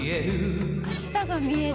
明日が見える。